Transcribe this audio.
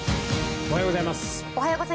おはようございます。